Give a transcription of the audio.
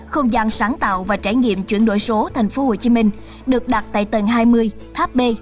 không gian sáng tạo và trải nghiệm chuyển đổi số tp hcm được đặt tại tầng hai mươi tháp b